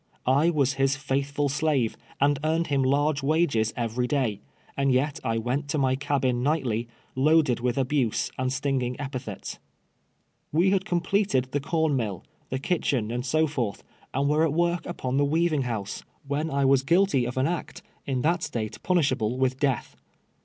I was his faithful slave, and earned him large wages every day, and y^t I went to my cabin nightly, loaded with abuse and stinging epithets. "We had completed the corn mill, the kitchen, and 60 forth, and were at work upon the weaving house. 108 TWELVE YEARS A SLAVE. ■wlicn I was guilty of an act, in that State punishable with death.